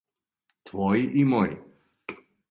Твоји и моји.